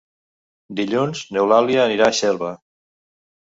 Dilluns n'Eulàlia anirà a Xelva.